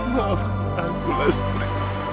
maafkan aku lestri